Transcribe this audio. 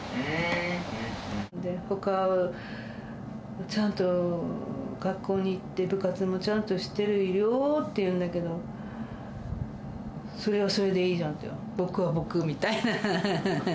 ほかは、ちゃんと学校に行って、部活もちゃんとしてるよーって言うんだけど、それはそれでいいじゃんって、僕は僕みたいな。